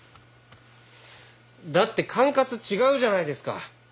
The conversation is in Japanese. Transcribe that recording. だって管轄違うじゃないですか！